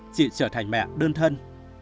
chỉ trở thành mẹ đơn thân